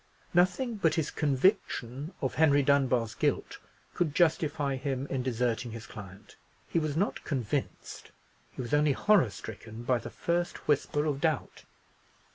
Nothing but his conviction of Henry Dunbar's guilt could justify him in deserting his client. He was not convinced; he was only horror stricken by the first whisper of doubt.